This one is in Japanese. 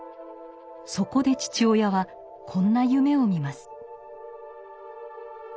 そこで父親はこんな夢を見ます。